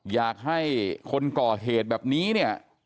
อยากให้คนก่อเหตุแบบนี้เนี่ย